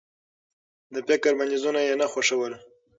د فکر بنديزونه يې نه خوښول.